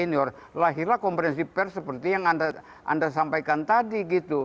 sehingga para senior lahirlah kompetensi pers seperti yang anda sampaikan tadi